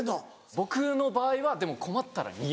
僕の場合はでも困ったら２。